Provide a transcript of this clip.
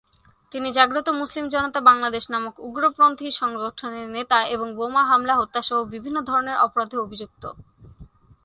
তিনি "জাগ্রত মুসলিম জনতা, বাংলাদেশ" নামক উগ্রপন্থী সংগঠনের নেতা, এবং বোমা হামলা, হত্যা সহ বিভিন্ন ধরনের অপরাধে অভিযুক্ত।